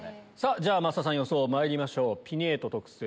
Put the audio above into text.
じゃ増田さん予想まいりましょう。